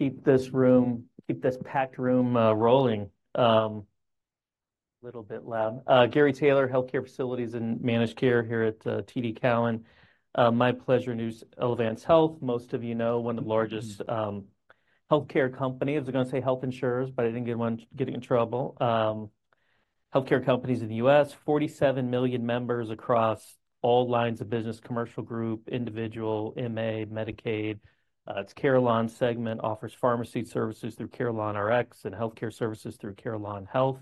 All right, keep this room, keep this packed room, rolling. Little bit loud. Gary Taylor, Healthcare Facilities and Managed Care here at TD Cowen. My pleasure, new Elevance Health. Most of you know, one of the largest healthcare company. I was going to say health insurers, but I didn't want getting in trouble. Healthcare companies in the US, 47 million members across all lines of business, commercial group, individual, MA, Medicaid. Its Carelon segment offers pharmacy services through CarelonRx and healthcare services through Carelon Health.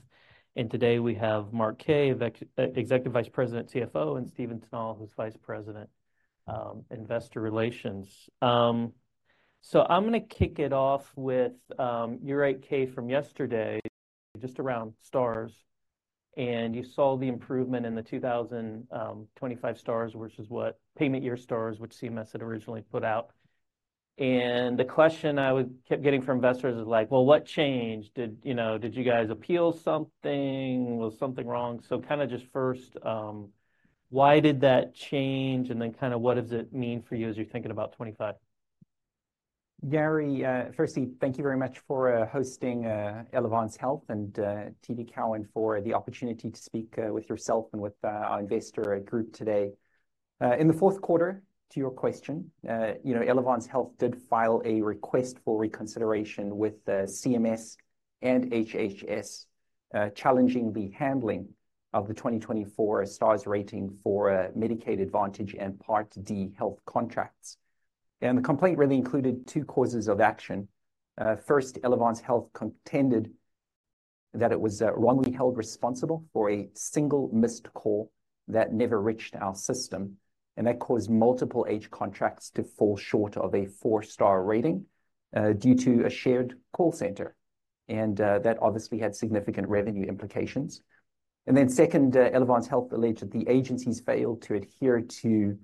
And today, we have Mark Kaye, Executive Vice President, CFO, and Stephen Tanal, who's Vice President, Investor Relations. So I'm going to kick it off with your 8-K from yesterday, just around stars, and you saw the improvement in the 2025 stars, which is what payment year stars, which CMS had originally put out. And the question I kept getting from investors is like: Well, what changed? Did you know, did you guys appeal something? Was something wrong? So kind of just first, why did that change, and then kind of what does it mean for you as you're thinking about 25? Gary, firstly, thank you very much for hosting Elevance Health and TD Cowen for the opportunity to speak with yourself and with our investor group today. In the fourth quarter, to your question, you know, Elevance Health did file a request for reconsideration with CMS and HHS, challenging the handling of the 2024 Star Ratings for Medicare Advantage and Part D health contracts. And the complaint really included two causes of action. First, Elevance Health contended that it was wrongly held responsible for a single missed call that never reached our system, and that caused multiple MA contracts to fall short of a four-star rating, due to a shared call center, and that obviously had significant revenue implications. Then, second, Elevance Health alleged the agencies failed to adhere to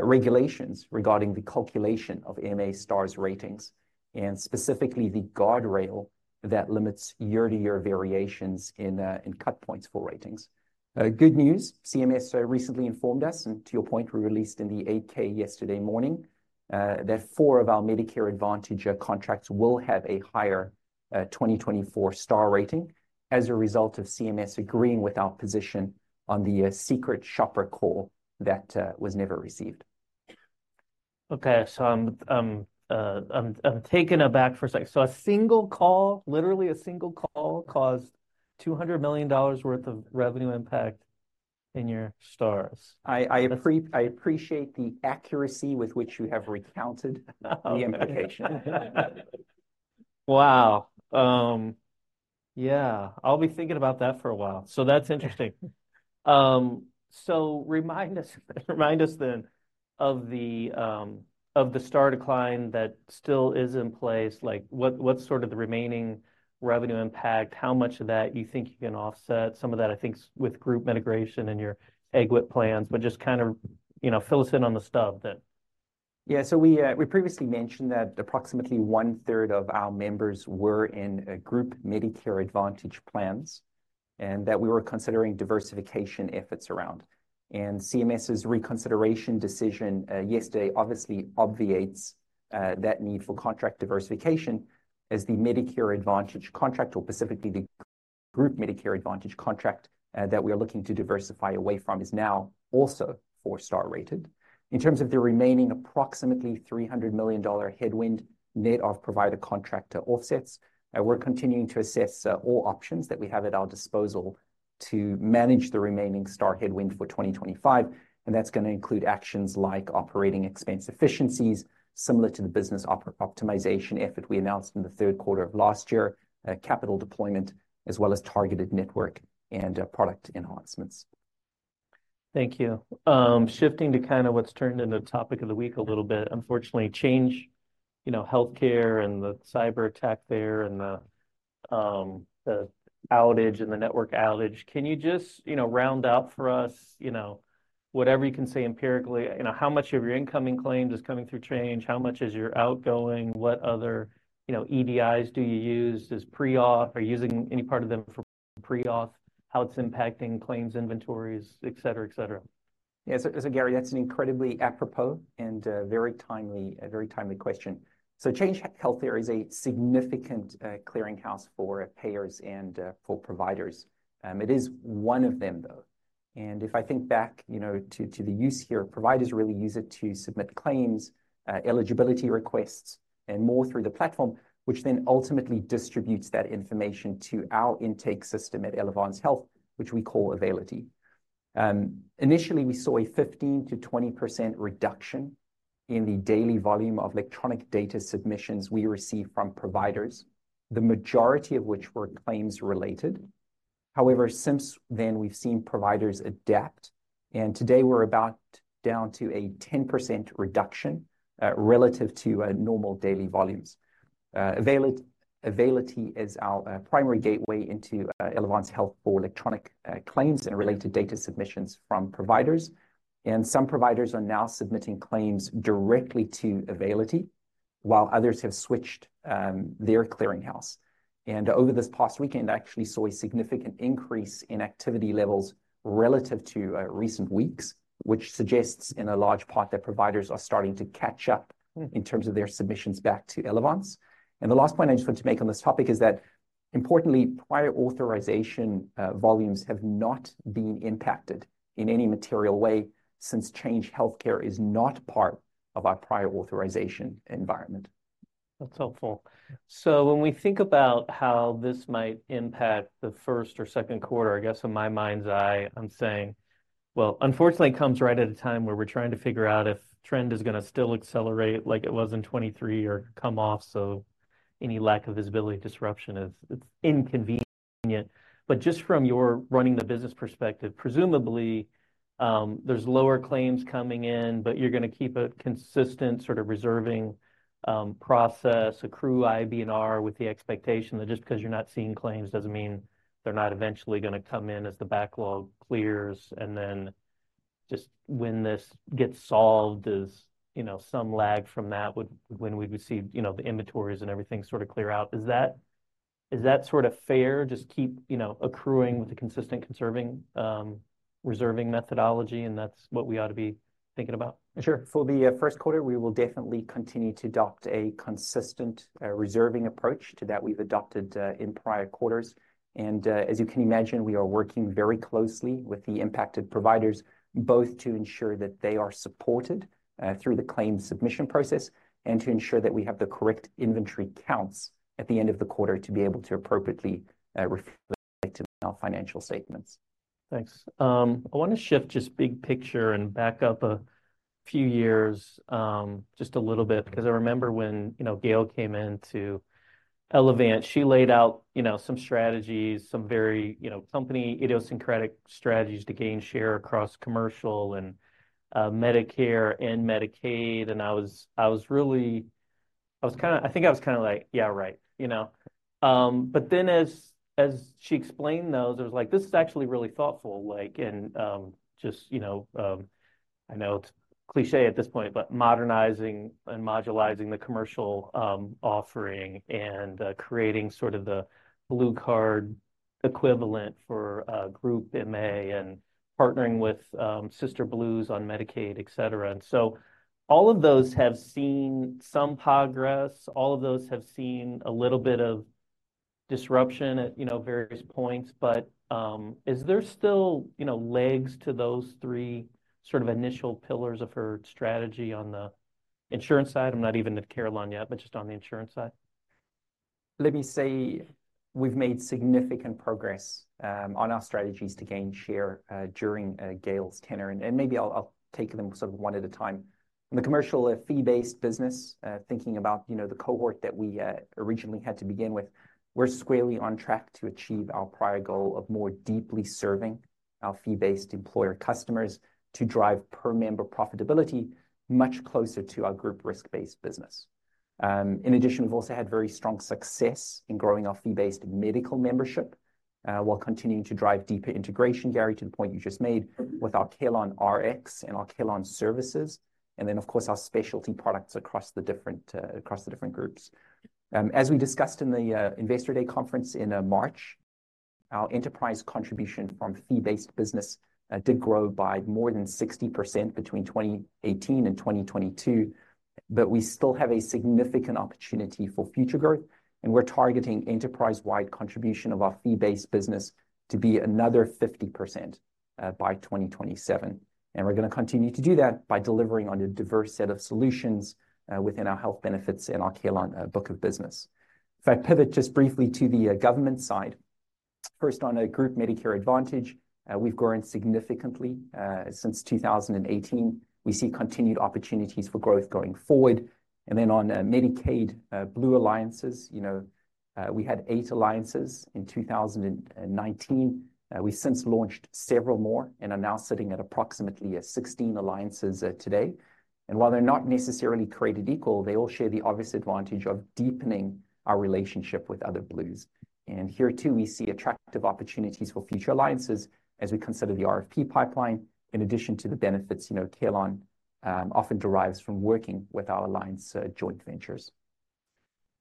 regulations regarding the calculation of MA Star Ratings, and specifically, the guardrail that limits year-to-year variations in cut points for ratings. Good news, CMS recently informed us, and to your point, we released in the 8-K yesterday morning that four of our Medicare Advantage contracts will have a higher 2024 Star rating as a result of CMS agreeing with our position on the secret shopper call that was never received. Okay, so I'm taken aback for a second. So a single call, literally a single call, caused $200 million worth of revenue impact in your stars. I appreciate the accuracy with which you have recounted the implication. Wow! Yeah, I'll be thinking about that for a while. So that's interesting. So remind us, remind us then, of the, of the Star decline that still is in place. Like, what's sort of the remaining revenue impact? How much of that you think you can offset? Some of that, I think, with group integration and your EGWP plans, but just kind of, you know, fill us in on the stub then. Yeah, so we previously mentioned that approximately one-third of our members were in group Medicare Advantage plans, and that we were considering diversification efforts around. And CMS's reconsideration decision yesterday obviously obviates that need for contract diversification, as the Medicare Advantage contract, or specifically the group Medicare Advantage contract, that we are looking to diversify away from, is now also 4-star rated. In terms of the remaining approximately $300 million headwind net of provider contractor offsets, we're continuing to assess all options that we have at our disposal to manage the remaining star headwind for 2025, and that's going to include actions like operating expense efficiencies, similar to the business optimization effort we announced in the third quarter of last year, capital deployment, as well as targeted network and product enhancements. Thank you. Shifting to kind of what's turned into topic of the week a little bit. Unfortunately, Change Healthcare and the cyberattack there, and the outage and the network outage. Can you just, you know, round out for us, you know, whatever you can say empirically, you know, how much of your incoming claims is coming through Change? How much is your outgoing? What other, you know, EDIs do you use? Does pre-auth... Are you using any part of them for pre-auth? How it's impacting claims, inventories, et cetera, et cetera. Yes, so, Gary, that's an incredibly apropos and, very timely, a very timely question. So Change Healthcare is a significant, clearinghouse for payers and, for providers. It is one of them, though. And if I think back, you know, to, to the use here, providers really use it to submit claims, eligibility requests, and more through the platform, which then ultimately distributes that information to our intake system at Elevance Health, which we call Availity. Initially, we saw a 15% to 20% reduction in the daily volume of electronic data submissions we received from providers, the majority of which were claims related. However, since then, we've seen providers adapt, and today we're about down to a 10% reduction, relative to, normal daily volumes. Availity, Availity is our primary gateway into Elevance Health for electronic claims and related data submissions from providers, and some providers are now submitting claims directly to Availity, while others have switched their clearing house. And over this past weekend, actually saw a significant increase in activity levels relative to recent weeks, which suggests in a large part that providers are starting to catch up in terms of their submissions back to Elevance. The last point I just want to make on this topic is that importantly, prior authorization volumes have not been impacted in any material way since Change Healthcare is not part of our prior authorization environment. That's helpful. So when we think about how this might impact the first or second quarter, I guess in my mind's eye, I'm saying, well, unfortunately, it comes right at a time where we're trying to figure out if trend is gonna still accelerate like it was in 2023 or come off, so any lack of visibility, disruption is, it's inconvenient. But just from your running the business perspective, presumably, there's lower claims coming in, but you're gonna keep a consistent sort of reserving, process, accrue IBNR with the expectation that just because you're not seeing claims doesn't mean they're not eventually gonna come in as the backlog clears. And then just when this gets solved, as, you know, some lag from that would-- when we would see, you know, the inventories and everything sort of clear out. Is that, is that sort of fair, just keep, you know, accruing with the consistent conservative reserving methodology, and that's what we ought to be thinking about? Sure. For the first quarter, we will definitely continue to adopt a consistent reserving approach to that we've adopted in prior quarters. And as you can imagine, we are working very closely with the impacted providers, both to ensure that they are supported through the claims submission process and to ensure that we have the correct inventory counts at the end of the quarter to be able to appropriately reflect in our financial statements. Thanks. I want to shift just big picture and back up a few years, just a little bit. Because I remember when, you know, Gail came into Elevance, she laid out, you know, some strategies, some very, you know, company idiosyncratic strategies to gain share across commercial and, Medicare and Medicaid, and I was, I was really... I was kinda-- I think I was kinda like: "Yeah, right," you know? But then, as, as she explained those, I was like, "This is actually really thoughtful," like, and, just, you know, I know it's cliché at this point, but modernizing and modularizing the commercial, offering and, creating sort of the BlueCard equivalent for a group MA and partnering with, Sister Blues on Medicaid, et cetera. And so all of those have seen some progress. All of those have seen a little bit of disruption at, you know, various points. But, is there still, you know, legs to those three sort of initial pillars of her strategy on the insurance side? I'm not even at Carelon yet, but just on the insurance side. Let me say we've made significant progress on our strategies to gain share during Gail's tenure, and maybe I'll take them sort of one at a time. In the commercial and fee-based business, thinking about, you know, the cohort that we originally had to begin with, we're squarely on track to achieve our prior goal of more deeply serving our fee-based employer customers to drive per-member profitability much closer to our group risk-based business. In addition, we've also had very strong success in growing our fee-based medical membership while continuing to drive deeper integration, Gary, to the point you just made, with our CarelonRx and our Carelon Services, and then, of course, our specialty products across the different groups. As we discussed in the Investor Day conference in March, our enterprise contribution from fee-based business did grow by more than 60% between 2018 and 2022, but we still have a significant opportunity for future growth, and we're targeting enterprise-wide contribution of our fee-based business to be another 50% by 2027. We're gonna continue to do that by delivering on a diverse set of solutions within our health benefits and our Carelon book of business. If I pivot just briefly to the government side, first, on Group Medicare Advantage, we've grown significantly since 2018. We see continued opportunities for growth going forward. Then on Medicaid Blue alliances, you know, we had eight alliances in 2019. We've since launched several more and are now sitting at approximately 16 alliances today. While they're not necessarily created equal, they all share the obvious advantage of deepening our relationship with other Blues. And here, too, we see attractive opportunities for future alliances as we consider the RFP pipeline, in addition to the benefits, you know, Carelon often derives from working with our alliance joint ventures.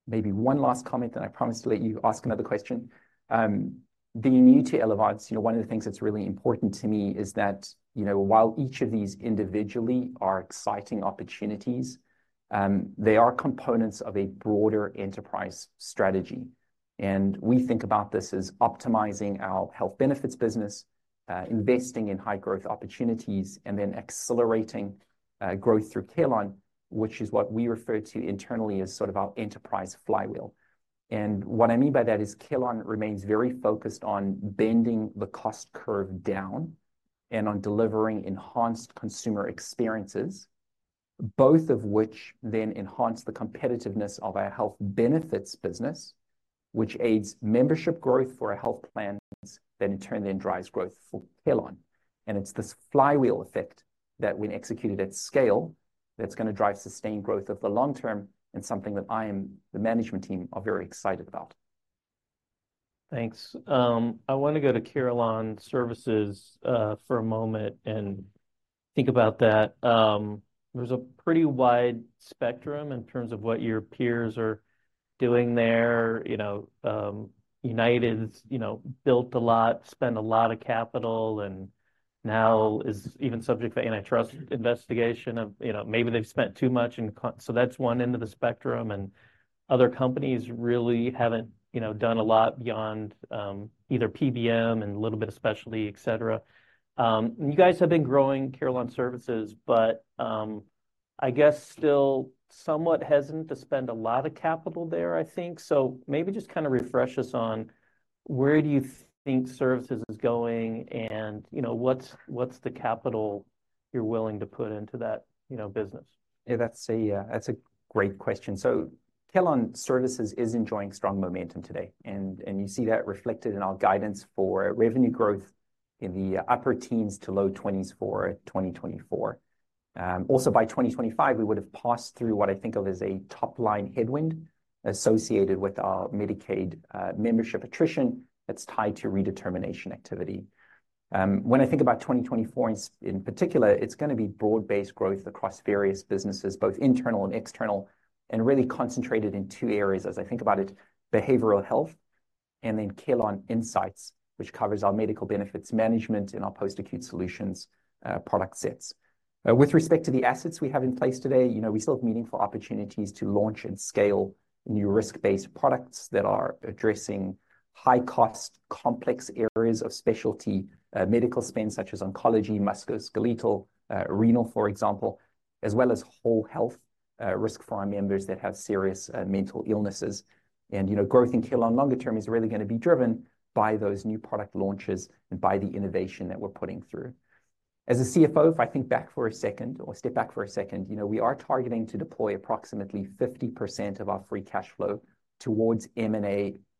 Maybe one last comment, then I promise to let you ask another question. The unity of Elevance, you know, one of the things that's really important to me is that, you know, while each of these individually are exciting opportunities, they are components of a broader enterprise strategy. And we think about this as optimizing our health benefits business, investing in high-growth opportunities, and then accelerating growth through Carelon, which is what we refer to internally as sort of our enterprise flywheel. What I mean by that is Carelon remains very focused on bending the cost curve down and on delivering enhanced consumer experiences, both of which then enhance the competitiveness of our health benefits business, which aids membership growth for our health plans, that in turn then drives growth for Carelon. It's this flywheel effect that, when executed at scale, that's gonna drive sustained growth over the long term and something that I and the management team are very excited about. Thanks. I want to go to Carelon Services for a moment and think about that. There's a pretty wide spectrum in terms of what your peers are doing there. You know, United's, you know, built a lot, spent a lot of capital and now is even subject to antitrust investigation of, you know, maybe they've spent too much in co- so that's one end of the spectrum, and other companies really haven't, you know, done a lot beyond either PBM and a little bit of specialty, et cetera. You guys have been growing Carelon Services, but I guess still somewhat hesitant to spend a lot of capital there, I think. So maybe just kind of refresh us on where do you think services is going, and, you know, what's, what's the capital you're willing to put into that, you know, business? Yeah, that's a, that's a great question. So Carelon Services is enjoying strong momentum today, and you see that reflected in our guidance for revenue growth in the upper teens to low twenties for 2024. Also by 2025, we would have passed through what I think of as a top-line headwind associated with our Medicaid membership attrition that's tied to redetermination activity. When I think about 2024 in particular, it's gonna be broad-based growth across various businesses, both internal and external, and really concentrated in two areas as I think about it: behavioral health and then Carelon Insights, which covers our medical benefits management and our post-acute solutions product sets. With respect to the assets we have in place today, you know, we still have meaningful opportunities to launch and scale new risk-based products that are addressing high cost, complex areas of specialty medical spend, such as oncology, musculoskeletal, renal, for example, as well as whole health risk for our members that have serious mental illnesses. You know, growth in Carelon longer term is really gonna be driven by those new product launches and by the innovation that we're putting through. As a CFO, if I think back for a second or step back for a second, you know, we are targeting to deploy approximately 50% of our free cash flow towards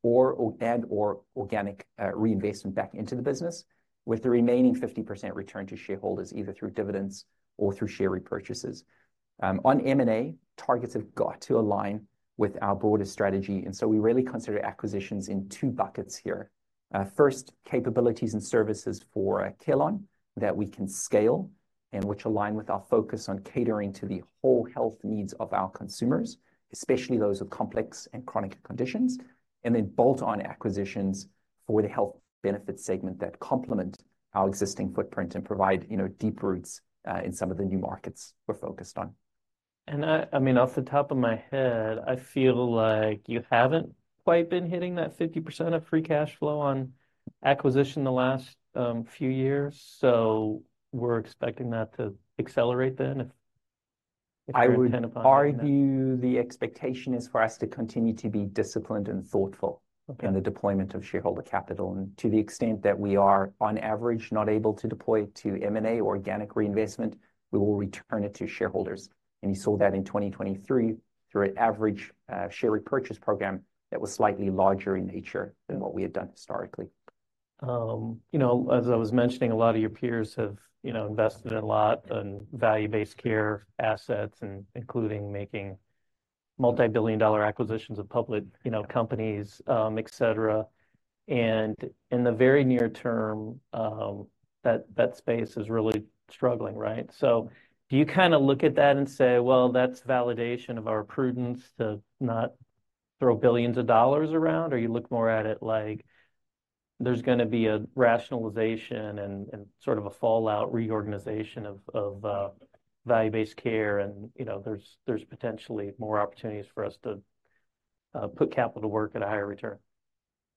M&A or, and/or organic, reinvestment back into the business, with the remaining 50% return to shareholders, either through dividends or through share repurchases. On M&A, targets have got to align with our broader strategy, and so we really consider acquisitions in two buckets here. First, capabilities and services for Carelon that we can scale and which align with our focus on catering to the whole health needs of our consumers, especially those with complex and chronic conditions, and then bolt-on acquisitions for the health benefit segment that complement our existing footprint and provide, you know, deep roots in some of the new markets we're focused on. And, I mean, off the top of my head, I feel like you haven't quite been hitting that 50% of free cash flow on acquisition the last few years, so we're expecting that to accelerate then. I would argue the expectation is for us to continue to be disciplined and thoughtful. Okay. in the deployment of shareholder capital, and to the extent that we are, on average, not able to deploy to M&A organic reinvestment, we will return it to shareholders. You saw that in 2023 through an average share repurchase program that was slightly larger in nature than what we had done historically. You know, as I was mentioning, a lot of your peers have, you know, invested a lot in value-based care assets, and including making multi-billion-dollar acquisitions of public, you know, companies, et cetera. In the very near term, that space is really struggling, right? So do you kind of look at that and say, "Well, that's validation of our prudence to not throw billions of dollars around," or you look more at it like there's gonna be a rationalization and sort of a fallout reorganization of value-based care, and, you know, there's potentially more opportunities for us to put capital to work at a higher return?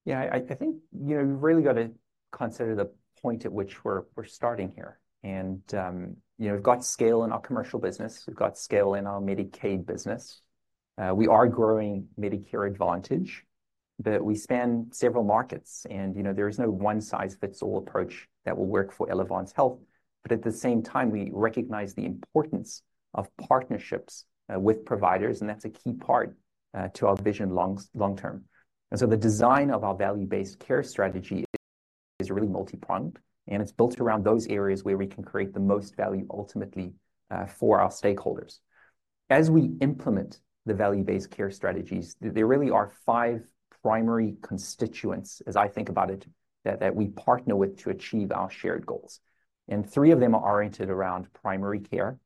Yeah, I think, you know, you've really got to consider the point at which we're starting here. You know, we've got scale in our commercial business. We've got scale in our Medicaid business. We are growing Medicare Advantage, but we span several markets, and, you know, there is no one-size-fits-all approach that will work for Elevance Health. But at the same time, we recognize the importance of partnerships with providers, and that's a key part to our vision long term. And so the design of our value-based care strategy is really multi-pronged, and it's built around those areas where we can create the most value ultimately for our stakeholders. As we implement the value-based care strategies, there really are five primary constituents, as I think about it, that we partner with to achieve our shared goals, and three of them are oriented around primary care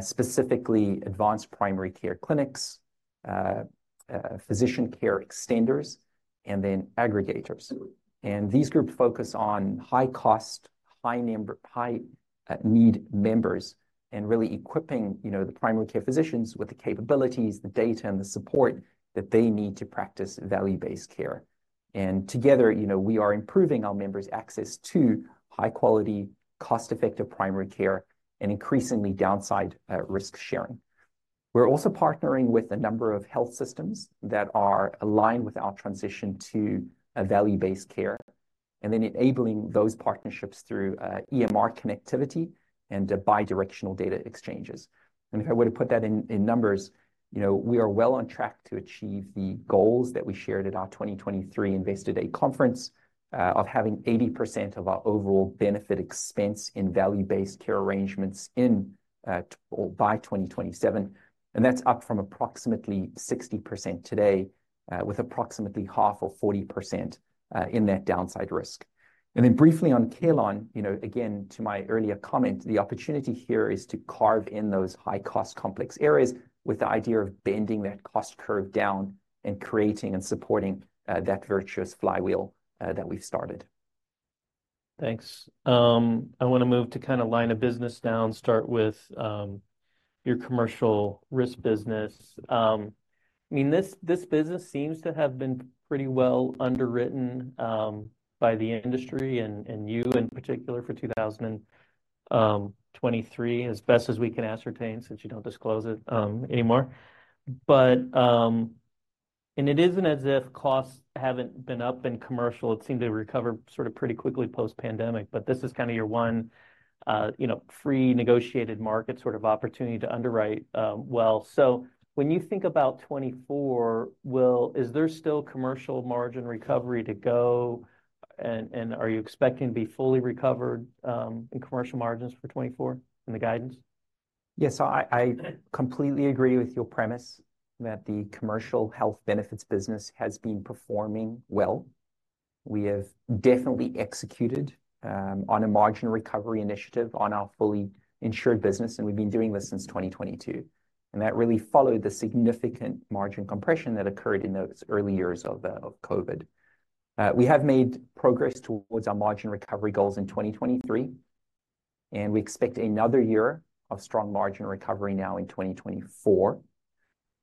specifically advanced primary care clinics, physician care extenders, and then aggregators. And these groups focus on high cost, high number, high need members and really equipping, you know, the primary care physicians with the capabilities, the data, and the support that they need to practice value-based care. Together, you know, we are improving our members' access to high quality, cost-effective primary care and increasingly downside risk sharing. We're also partnering with a number of health systems that are aligned with our transition to a value-based care, and then enabling those partnerships through EMR connectivity and bi-directional data exchanges. If I were to put that in numbers, you know, we are well on track to achieve the goals that we shared at our 2023 Investor Day conference of having 80% of our overall benefit expense in value-based care arrangements in or by 2027, and that's up from approximately 60% today, with approximately half or 40% in that downside risk. And then briefly on Carelon, you know, again, to my earlier comment, the opportunity here is to carve in those high-cost, complex areas with the idea of bending that cost curve down and creating and supporting that virtuous flywheel that we've started.... Thanks. I want to move to kind of line of business now, and start with, your commercial risk business. I mean, this, this business seems to have been pretty well underwritten, by the industry and, and you in particular for 2023, as best as we can ascertain, since you don't disclose it, anymore. But, and it isn't as if costs haven't been up in commercial. It seemed to recover sort of pretty quickly post-pandemic, but this is kind of your one, you know, free negotiated market sort of opportunity to underwrite, well. So when you think about 2024, well, is there still commercial margin recovery to go, and, and are you expecting to be fully recovered, in commercial margins for 2024 in the guidance? Yes, so I, I completely agree with your premise, that the commercial health benefits business has been performing well. We have definitely executed on a margin recovery initiative on our fully insured business, and we've been doing this since 2022, and that really followed the significant margin compression that occurred in those early years of of COVID. We have made progress towards our margin recovery goals in 2023, and we expect another year of strong margin recovery now in 2024.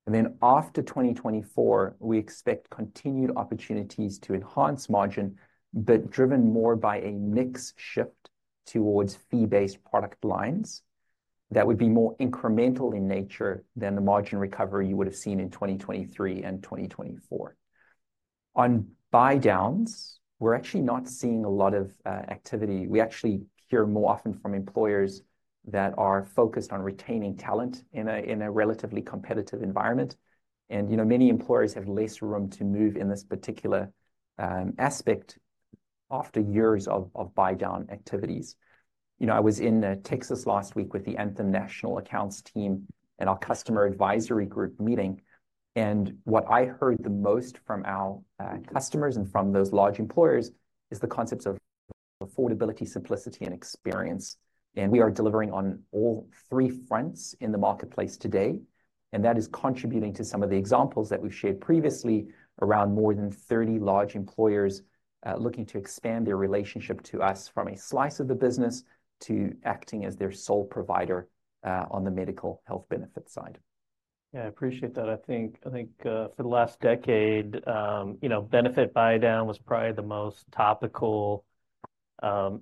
Then after 2024, we expect continued opportunities to enhance margin, but driven more by a mix shift towards fee-based product lines that would be more incremental in nature than the margin recovery you would have seen in 2023 and 2024. On buy downs, we're actually not seeing a lot of activity. We actually hear more often from employers that are focused on retaining talent in a relatively competitive environment, and, you know, many employers have less room to move in this particular aspect after years of buy-down activities. You know, I was in Texas last week with the Anthem National Accounts team and our customer advisory group meeting, and what I heard the most from our customers and from those large employers is the concepts of affordability, simplicity, and experience. And we are delivering on all three fronts in the marketplace today, and that is contributing to some of the examples that we've shared previously around more than 30 large employers looking to expand their relationship to us from a slice of the business to acting as their sole provider on the medical health benefits side. Yeah, I appreciate that. I think for the last decade, you know, benefit buy down was probably the most topical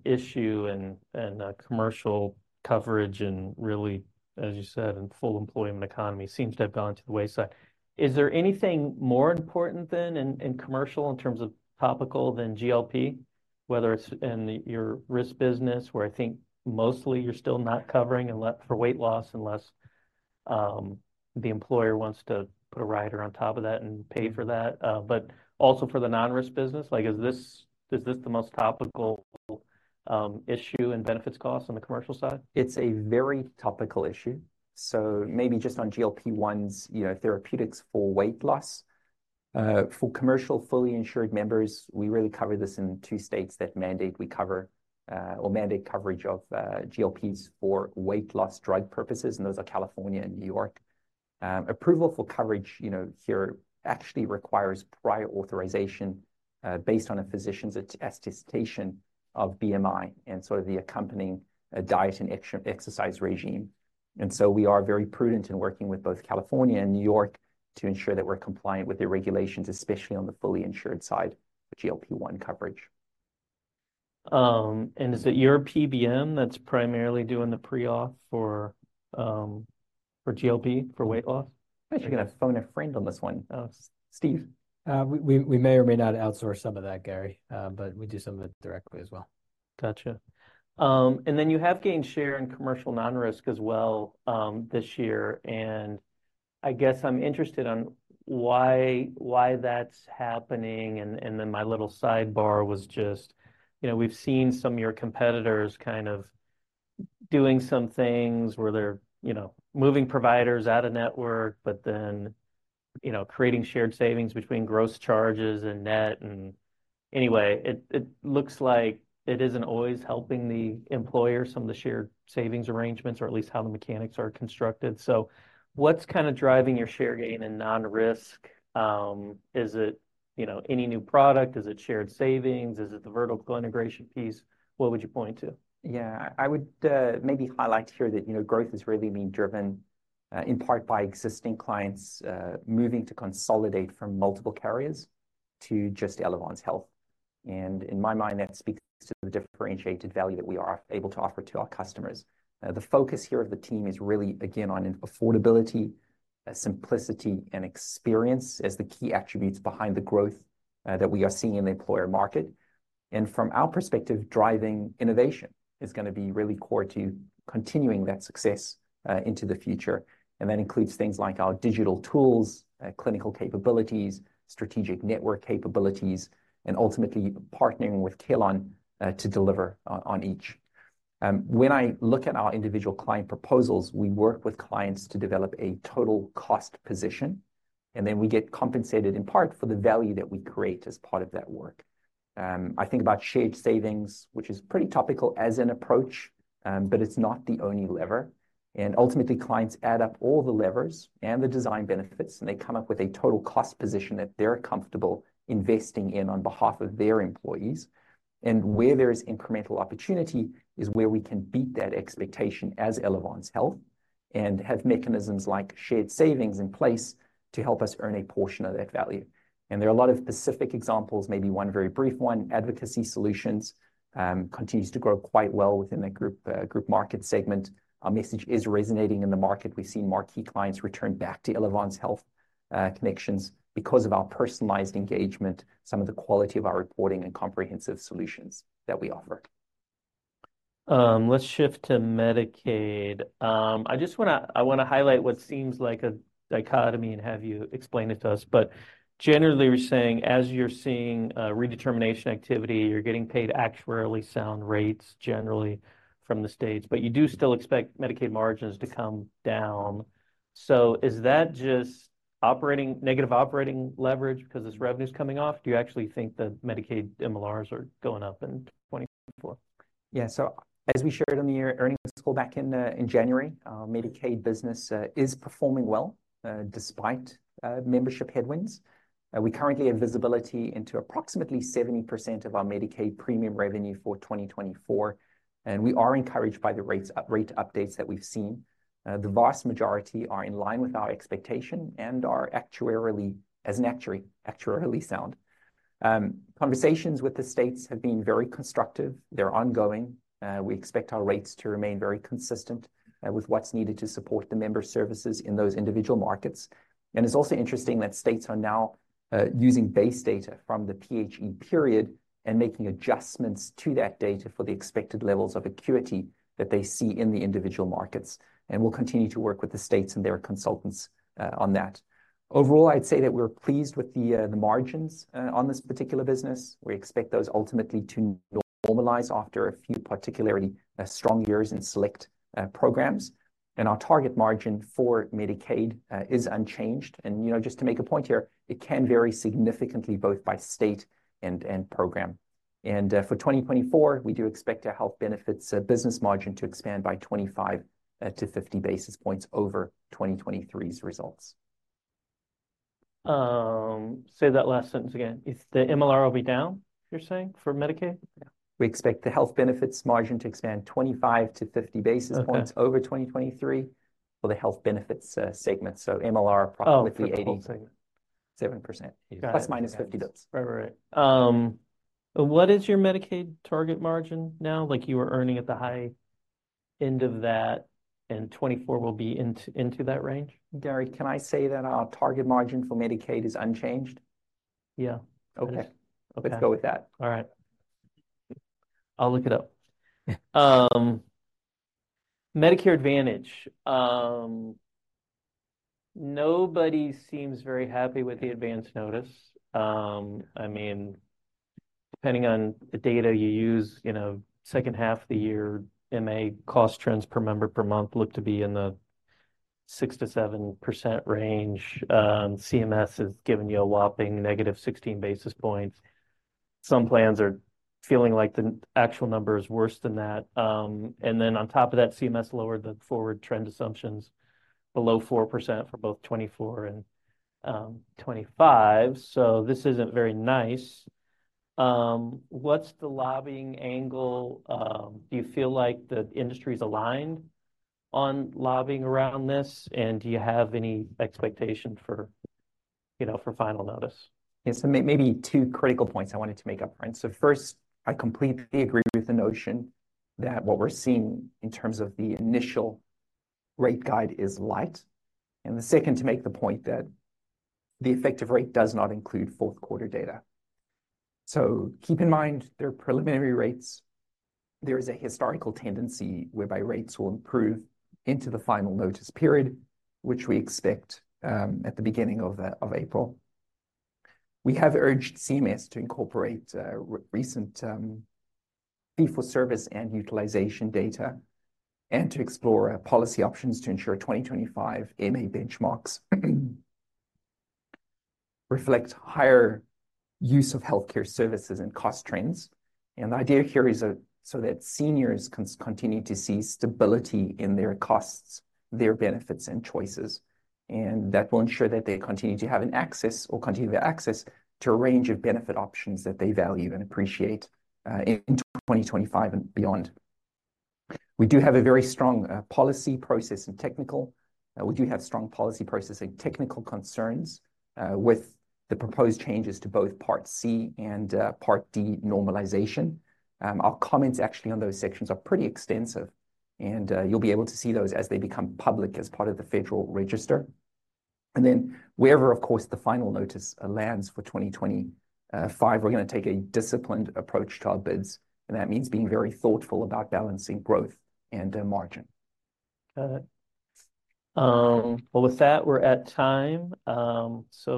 issue in commercial coverage. And really, as you said, in full employment economy, seems to have gone to the wayside. Is there anything more important than in commercial in terms of topical than GLP, whether it's in your risk business, where I think mostly you're still not covering unless for weight loss, unless the employer wants to put a rider on top of that and pay for that? But also for the non-risk business, like, is this the most topical issue in benefits costs on the commercial side? It's a very topical issue. So maybe just on GLP-1s, you know, therapeutics for weight loss. For commercial fully insured members, we really cover this in two states that mandate we cover, or mandate coverage of, GLPs for weight loss drug purposes, and those are California and New York. Approval for coverage, you know, here actually requires prior authorization, based on a physician's attestation of BMI and sort of the accompanying diet and exercise regime. And so we are very prudent in working with both California and New York to ensure that we're compliant with their regulations, especially on the fully insured side of GLP-1 coverage. Is it your PBM that's primarily doing the pre-auth for GLP for weight loss? I'm actually gonna phone a friend on this one. Steve? We may or may not outsource some of that, Gary, but we do some of it directly as well. Gotcha. And then you have gained share in commercial non-risk as well, this year, and I guess I'm interested on why, why that's happening. And then my little sidebar was just, you know, we've seen some of your competitors kind of doing some things where they're, you know, moving providers out of network, but then, you know, creating shared savings between gross charges and net. And anyway, it looks like it isn't always helping the employer, some of the shared savings arrangements, or at least how the mechanics are constructed. So what's kind of driving your share gain in non-risk? Is it, you know, any new product? Is it shared savings? Is it the vertical integration piece? What would you point to? Yeah, I would maybe highlight here that, you know, growth has really been driven in part by existing clients moving to consolidate from multiple carriers to just Elevance Health. In my mind, that speaks to the differentiated value that we are able to offer to our customers. The focus here of the team is really, again, on affordability, simplicity, and experience as the key attributes behind the growth that we are seeing in the employer market. From our perspective, driving innovation is gonna be really core to continuing that success into the future, and that includes things like our digital tools, clinical capabilities, strategic network capabilities, and ultimately partnering with Carelon to deliver on each. When I look at our individual client proposals, we work with clients to develop a total cost position, and then we get compensated in part for the value that we create as part of that work. I think about shared savings, which is pretty topical as an approach, but it's not the only lever, and ultimately, clients add up all the levers and the design benefits, and they come up with a total cost position that they're comfortable investing in on behalf of their employees. And where there is incremental opportunity is where we can beat that expectation as Elevance Health, and have mechanisms like shared savings in place to help us earn a portion of that value. And there are a lot of specific examples, maybe one very brief one, advocacy solutions continues to grow quite well within the group, group market segment. Our message is resonating in the market. We've seen more key clients return back to Elevance Health, connections because of our personalized engagement, some of the quality of our reporting and comprehensive solutions that we offer. Let's shift to Medicaid. I wanna highlight what seems like a dichotomy and have you explain it to us. But generally, we're saying, as you're seeing, redetermination activity, you're getting paid actuarially sound rates generally from the states, but you do still expect Medicaid margins to come down. So is that just operating, negative operating leverage because this revenue's coming off? Do you actually think that Medicaid MLRs are going up in 2024? Yeah, so as we shared on the earnings call back in January, our Medicaid business is performing well despite membership headwinds. We currently have visibility into approximately 70% of our Medicaid premium revenue for 2024, and we are encouraged by the rate updates that we've seen. The vast majority are in line with our expectation and are actuarially, as an actuary, actuarially sound. Conversations with the states have been very constructive. They're ongoing. We expect our rates to remain very consistent with what's needed to support the member services in those individual markets. It's also interesting that states are now using base data from the PHE period and making adjustments to that data for the expected levels of acuity that they see in the individual markets, and we'll continue to work with the states and their consultants on that. Overall, I'd say that we're pleased with the margins on this particular business. We expect those ultimately to normalize after a few particularly strong years in select programs, and our target margin for Medicaid is unchanged. You know, just to make a point here, it can vary significantly, both by state and program. For 2024, we do expect our health benefits business margin to expand by 25-50 basis points over 2023's results. Say that last sentence again. If the MLR will be down, you're saying, for Medicaid? We expect the health benefits margin to expand 25-50 basis points- Okay... over 2023 for the health benefits segment, so MLR approximately- Oh, for the whole segment.... 70% ± 50 basis points. Right, right, right. What is your Medicaid target margin now? Like, you were earning at the high end of that, and 2024 will be into, into that range? Gary, can I say that our target margin for Medicaid is unchanged? Yeah. Okay. Okay. Let's go with that. All right. I'll look it up. Yeah. Medicare Advantage. Nobody seems very happy with the advance notice. I mean, depending on the data you use, you know, second half of the year, MA cost trends per member per month look to be in the 6% to 7% range. CMS has given you a whopping -16 basis points. Some plans are feeling like the actual number is worse than that. And then on top of that, CMS lowered the forward trend assumptions below 4% for both 2024 and 2025, so this isn't very nice. What's the lobbying angle? Do you feel like the industry's aligned on lobbying around this, and do you have any expectation for, you know, for final notice? Yeah, so maybe two critical points I wanted to make up front. So first, I completely agree with the notion that what we're seeing in terms of the initial rate guide is light, and the second, to make the point that the effective rate does not include fourth quarter data. So keep in mind, they're preliminary rates. There is a historical tendency whereby rates will improve into the final notice period, which we expect at the beginning of April. We have urged CMS to incorporate recent fee-for-service and utilization data, and to explore policy options to ensure 2025 MA benchmarks reflect higher use of healthcare services and cost trends. The idea here is so that seniors continue to see stability in their costs, their benefits, and choices, and that will ensure that they continue to have an access or continue their access to a range of benefit options that they value and appreciate in 2025 and beyond. We do have a very strong policy process and technical concerns with the proposed changes to both Part C and Part D normalization. Our comments actually on those sections are pretty extensive, and you'll be able to see those as they become public as part of the Federal Register. Then wherever, of course, the final notice lands for 2025, we're gonna take a disciplined approach to our bids, and that means being very thoughtful about balancing growth and margin. Got it. Well, with that, we're at time. So-